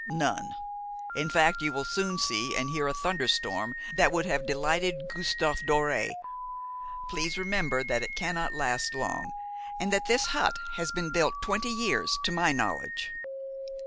"None. In fact, you will soon see and hear a thunder storm that would have delighted Gustave Doré. Please remember that it cannot last long, and that this hut has been built twenty years to my knowledge."